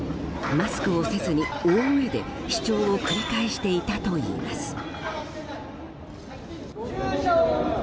マスクをせずに大声で主張を繰り返していたといいます。